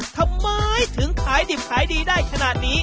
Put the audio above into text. ทำไมถึงขายดิบขายดีได้ขนาดนี้